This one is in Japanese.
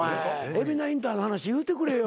海老名インターの話言うてくれよ。